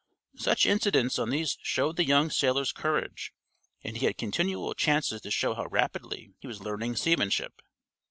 Such incidents as these showed the young sailor's courage, and he had continual chances to show how rapidly he was learning seamanship.